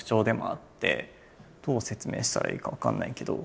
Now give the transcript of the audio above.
どう説明したらいいか分かんないけど。